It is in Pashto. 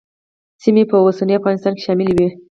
سیمې په اوسني افغانستان کې شاملې وې.